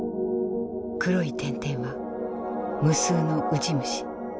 黒い点々は無数のウジ虫。